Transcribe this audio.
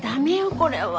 これは。